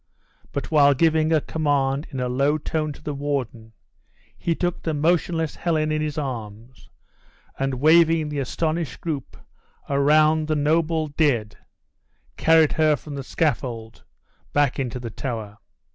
But, while giving a command in a low tone to the warden, he took the motionless Helen in his arms, and leaving the astonished group round the noble dead, carried her from the scaffold back into the Tower.